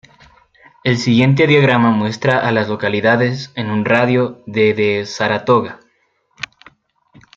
El siguiente diagrama muestra a las localidades en un radio de de Saratoga.